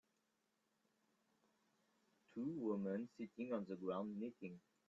Two women sitting on the ground knitting.